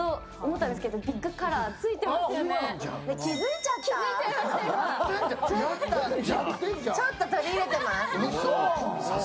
ちょっと取り入れてます。